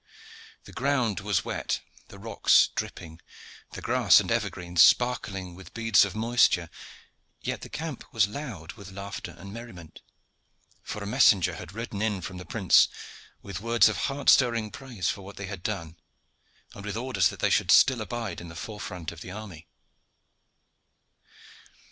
The ground was wet, the rocks dripping, the grass and ever greens sparkling with beads of moisture; yet the camp was loud with laughter and merriment, for a messenger had ridden in from the prince with words of heart stirring praise for what they had done, and with orders that they should still abide in the forefront of the army.